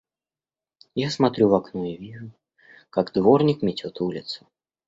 Я смотрю в окно и вижу, как дворник метет улицу.